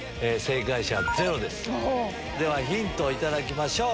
ではヒント頂きましょう。